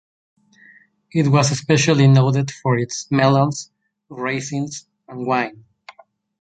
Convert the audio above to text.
It was especially noted for its melons, raisins and wine.